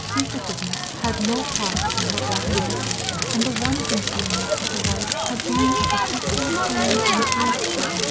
Secretiveness had no part in her organization, and the one concealment of her life had been a perpetual pain and grief to her.